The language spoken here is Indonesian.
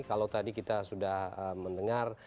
kalau tadi kita sudah mendengar